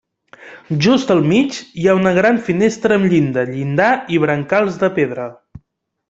Just al mig, hi ha una gran finestra amb llinda, llindar i brancals de pedra.